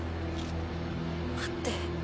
待って。